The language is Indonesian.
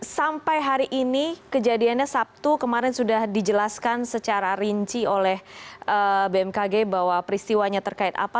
sampai hari ini kejadiannya sabtu kemarin sudah dijelaskan secara rinci oleh bmkg bahwa peristiwanya terkait apa